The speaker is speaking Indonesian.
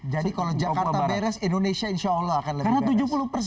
jadi kalau jakarta beres indonesia insya allah akan lebih beres